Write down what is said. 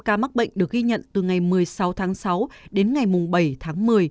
trong số sáu mươi một tám trăm linh ca mắc bệnh được ghi nhận từ ngày một mươi sáu tháng sáu đến ngày bảy tháng một mươi